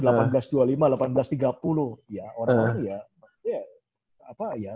ya orang orang ya apa ya kayak gitu ya